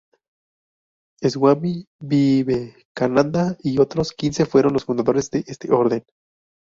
Swami Vivekananda y otros quince fueron los fundadores de este orden.